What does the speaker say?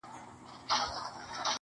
• دوی هڅه کوي چي د همدې شخص یې وښيي -